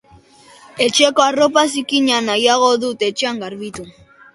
Etxeko arropa zikina nahiago dut etxean garbitu.